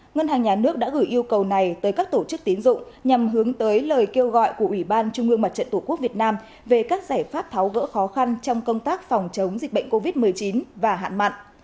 ngân hàng nhà nước đã gửi yêu cầu này tới các tổ chức tiến dụng nhằm hướng tới lời kêu gọi của ủy ban trung ương mặt trận tổ quốc việt nam về các giải pháp tháo gỡ khó khăn trong công tác phòng chống dịch bệnh covid một mươi chín và hạn mặn